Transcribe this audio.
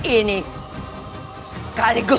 ini ada nice